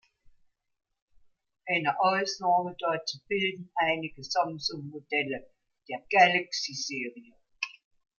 Eine Ausnahme dazu bilden einige Samsung-Modelle der Galaxy-Serie.